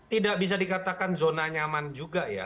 tidak bisa dikatakan zona nyaman juga ya